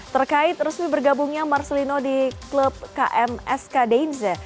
terkait resmi bergabungnya marcelino di klub kmsk deinze